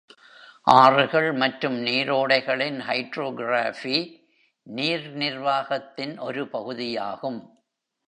ஆறுகள் மற்றும் நீரோடைகளின் ஹைட்ரோகிராஃபி நீர் நிர்வாகத்தின் ஒரு பகுதியாகும்.